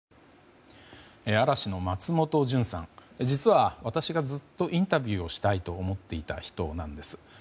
実は、私がずっとインタビューをしたいと思っていた人なんです。